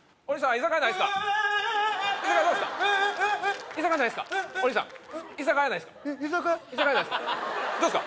居酒屋ないすか？